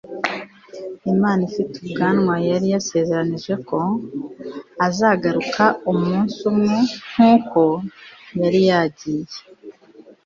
imana ifite ubwanwa yari yarasezeranije ko azagaruka umunsi umwe nkuko yari yagiye